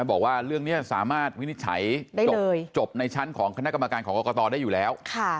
บอกว่าเรื่องนี้สามารถวินิจฉัยจบในชั้นของคณะกรรมการของกรกตได้อยู่แล้ว